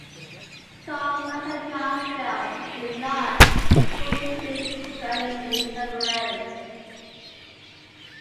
Koufax and Drysdale did not report to spring training in February.